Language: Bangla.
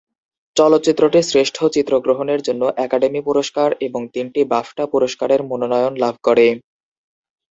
চলচ্চিত্রটি শ্রেষ্ঠ চিত্রগ্রহণের জন্য একাডেমি পুরস্কার এবং তিনটি বাফটা পুরস্কার এর মনোনয়ন লাভ করে।